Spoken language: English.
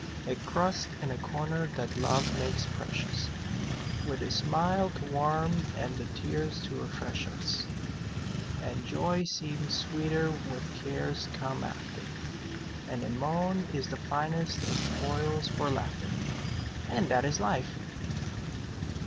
A crust and a corner that love makes precious, With a smile to warm and the tears to refresh us; And joy seems sweeter when cares come after, And a moan is the finest of foils for laughter; And that is life!